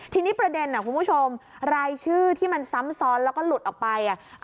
ทีนี้ประเด็นคุณผู้ชมรายชื่อที่มันซ้ำซ้อนแล้วก็หลุดออกไป